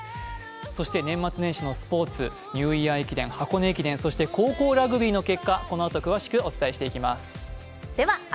そして年末年始のスポ−ツ、ニューイヤー駅伝、箱根駅伝、そして高校ラグビーの結果、このあと詳しくお伝えしていきます。